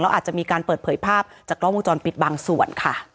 อาจจะมีการเปิดเผยภาพจากกล้องวงจรปิดบางส่วนค่ะ